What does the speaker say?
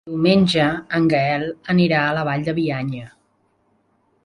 Diumenge en Gaël anirà a la Vall de Bianya.